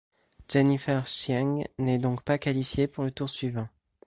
Jennifer Chieng n'est donc pas qualifiée pour le tour suivant.